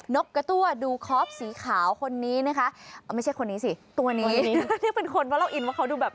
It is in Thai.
นกกะตั้วดูคอปสีขาวคนนี้นะครับ